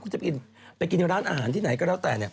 คุณจะไปกินในร้านอาหารที่ไหนก็แล้วแต่เนี่ย